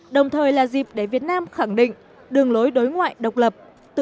đồng thời là dịp để việt nam khẳng định đường lối đối ngoan